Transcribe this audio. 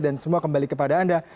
dan semua kembali kepada anda